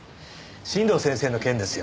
新道先生の件ですよ。